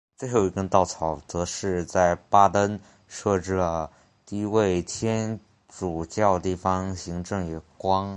最后一根稻草则是在巴登设置了一位天主教地方行政官。